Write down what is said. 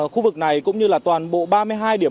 khu vực này cũng như là toàn bộ ba mươi hai điểm